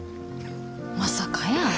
まさかやー。